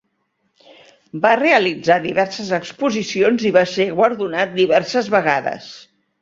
Va realitzar diverses exposicions i va ser guardonat diverses vegades.